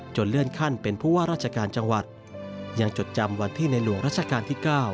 เลื่อนขั้นเป็นผู้ว่าราชการจังหวัดยังจดจำวันที่ในหลวงราชการที่๙